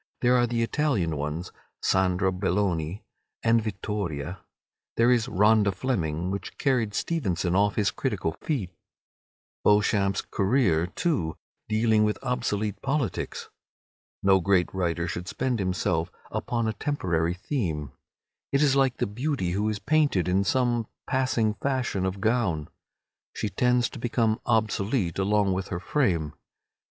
There are the Italian ones, "Sandra Belloni," and "Vittoria"; there is "Rhoda Fleming," which carried Stevenson off his critical feet; "Beauchamp's Career," too, dealing with obsolete politics. No great writer should spend himself upon a temporary theme. It is like the beauty who is painted in some passing fashion of gown. She tends to become obsolete along with her frame.